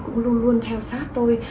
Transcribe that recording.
cũng luôn luôn theo sát tôi